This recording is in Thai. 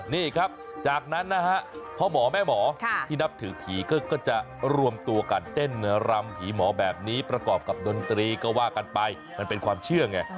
นี่ครับจากนั้นนะฮะพ่อหมอแม่หมอที่นับถือผีก็จะรวมตัวกันเต้นรำผีหมอแบบนี้ประกอบกับดนตรีก็ว่ากันไปมันเป็นความเชื่อไง